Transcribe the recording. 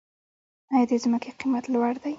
آیا د ځمکې قیمت لوړ دی؟